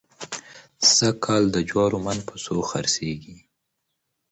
سږکال د جوارو من په څو خرڅېږي؟